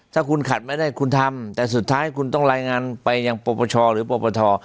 ถ้าคุณขัดไม่ได้คุณทำแต่สุดท้ายคุณต้องรายงานไปยังปรปชหรือปปท